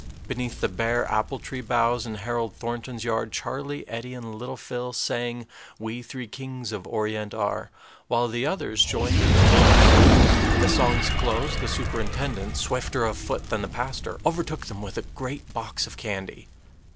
Beneath the bare apple tree boughs in Harold Thornton's yard, Charlie, Eddie, and little Phil sang, "We three kings of Orient are," while the others joined in the chorus. At the song's close, the superintendent, swifter of foot than the pastor, overtook them with a great box of candy.